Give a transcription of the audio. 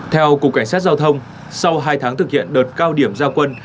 theo cục cảnh sát giao thông sau hai tháng thực hiện đợt cao điểm giao quân